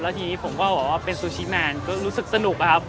ทีนี้ผมก็บอกว่าเป็นซูชิแมนก็รู้สึกสนุกอะครับ